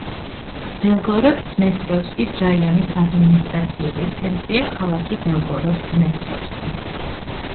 ბელგოროდ-დნესტროვსკის რაიონის ადმინისტრაციული ცენტრია ქალაქი ბელგოროდ-დნესტროვსკი.